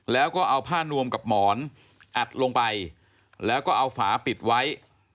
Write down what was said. แล้วก็เอาผ้านวมกับหมอนอัดลงไปแล้วก็เอาฝาปิดไว้